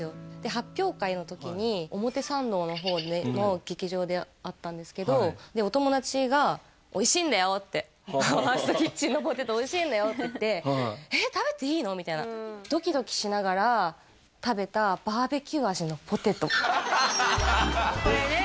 発表会の時に表参道の方の劇場であったんですけどでお友達が「ファーストキッチンのポテトおいしいんだよ」って言って「えっ食べていいの？」みたいなドキドキしながら食べたこれね